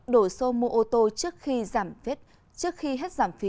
đổi số mua ô tô trước khi hết giảm phí